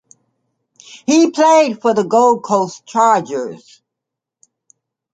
He played for the Gold Coast Chargers.